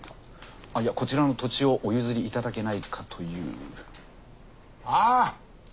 いやこちらの土地をお譲りいただけないかという。